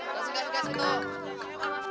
kasih kasih kasih tuh